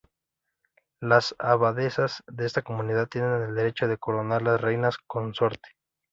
Las Abadesas de esta comunidad tienen el derecho de coronar las Reinas consorte.